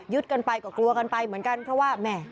กันไปก็กลัวกันไปเหมือนกันเพราะว่าแม่